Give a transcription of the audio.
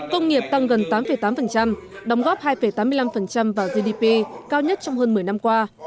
công nghiệp tăng gần tám tám đóng góp hai tám mươi năm vào gdp cao nhất trong hơn một mươi năm qua